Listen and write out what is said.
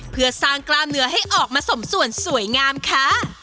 เพื่อสร้างกล้ามเนื้อให้ออกมาสมส่วนสวยงามค่ะ